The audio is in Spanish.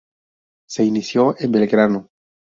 Se inició en Belgrano.